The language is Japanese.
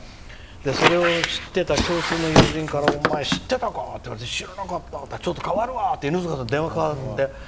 それを知っていた共通の友人からお前、知ってたか？って言われて知らなかった！って言ったらちょっと代わるわって犬塚さんと話をして。